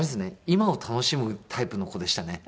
今を楽しむタイプの子でしたね。